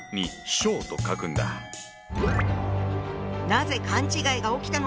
なぜ勘違いが起きたのか。